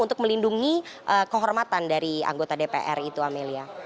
untuk melindungi kehormatan dari anggota dpr itu amelia